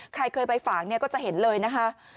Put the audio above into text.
ใครเคยไปฝากเนี่ยก็จะเห็นเลยนะคะ